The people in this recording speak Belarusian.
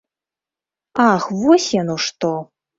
Ах вось яно што!